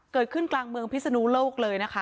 เกิดขึ้นกลางเมืองพิศนุโลกเลยนะคะ